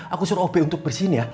aku suruh obe untuk bersihin ya